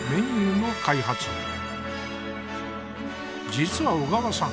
実は小川さん